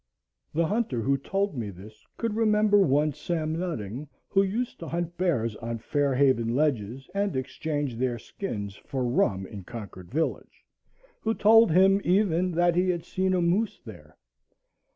The hunter who told me this could remember one Sam Nutting, who used to hunt bears on Fair Haven Ledges, and exchange their skins for rum in Concord village; who told him, even, that he had seen a moose there.